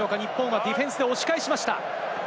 日本はディフェンスで押し返しました。